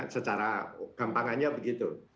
secara gampangannya begitu